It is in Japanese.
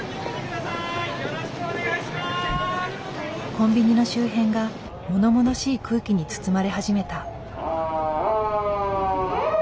コンビニの周辺がものものしい空気に包まれ始めた。